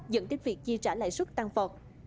dẫn đến việc chia trả lãi suất tăng vọt